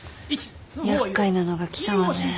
やっかいなのが来たわね。